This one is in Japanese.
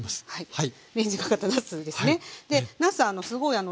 はい。